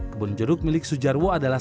kebun jeruk milik sujarwo adalah